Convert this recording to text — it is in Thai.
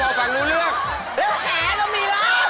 แล้วแหละต้องมีล่าม